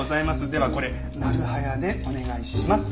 ではこれなる早でお願いします。